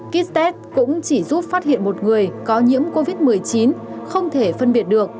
kit test cũng chỉ giúp phát hiện một người có nhiễm covid một mươi chín không thể phân biệt được